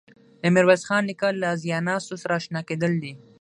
له میرویس خان نیکه له ځایناستو سره آشنا کېدل دي.